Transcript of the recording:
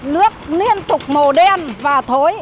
nước liên tục màu đen và thối